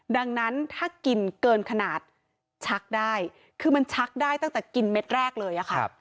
ดังนั้นถ้ากินเกินขนาดชักได้คือมันชักได้ตั้งแต่กินเม็ดแรกเลยค่ะ